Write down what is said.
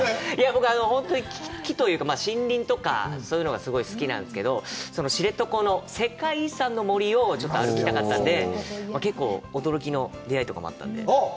僕は木というか、木というか、森林とかが好きなんですけど、知床の世界遺産の森をちょっと歩きたかったんで、結構驚きの出会いとかもあったんで。